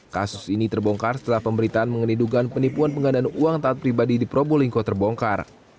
kasus ini terbongkar setelah pemberitaan mengenai dugaan penipuan penggandaan uang taat pribadi di probolinggo terbongkar